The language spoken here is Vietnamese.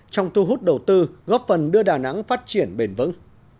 trong thu hút đầu tư góp phần đưa đà nẵng phát triển bền vững